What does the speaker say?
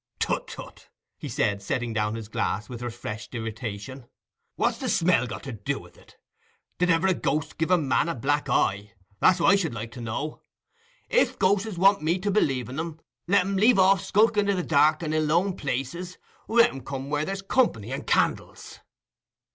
"Tut, tut," he said, setting down his glass with refreshed irritation; "what's the smell got to do with it? Did ever a ghost give a man a black eye? That's what I should like to know. If ghos'es want me to believe in 'em, let 'em leave off skulking i' the dark and i' lone places—let 'em come where there's company and candles."